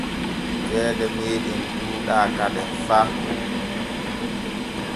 Ceede meeɗen ɗuuɗaa kaden fa.